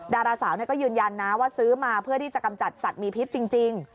ดาราสาวก็ยืนยันนะว่าซื้อมาเพื่อที่จะกำจัดสัตว์มีพิษจริง